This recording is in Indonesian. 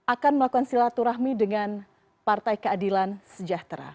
akan melakukan silaturahmi dengan partai keadilan sejahtera